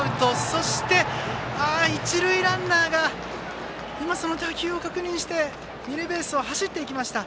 そして、一塁ランナーが今、その打球を確認して二塁ベースへ走っていきました。